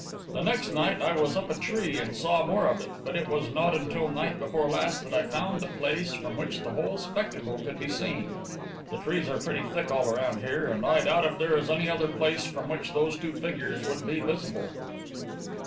The next night I was up a tree and saw more of it; but it was not until night before last that I found the place from which the whole spectacle could be seen. The trees are pretty thick all around here, and I doubt if there is any other place from which those two figures would be visible."